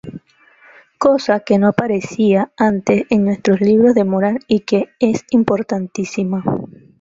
Cosa que no aparecía antes en nuestros libros de moral y que es importantísima".